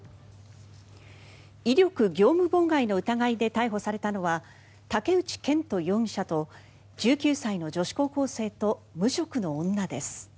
威力業務妨害の疑いで逮捕されたのは竹内健人容疑者と１９歳の女子高校生と無職の女です。